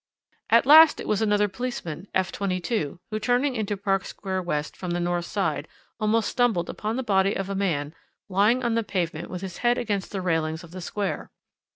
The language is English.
"At last it was another policeman, F 22, who, turning into Park Square West from the north side, almost stumbled upon the body of a man lying on the pavement with his head against the railings of the Square.